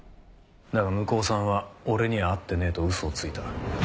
だが向こうさんは俺には会ってねえと嘘をついた。